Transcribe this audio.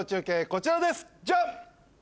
こちらですジャン！